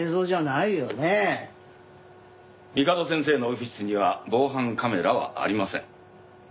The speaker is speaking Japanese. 三門先生のオフィスには防犯カメラはありません。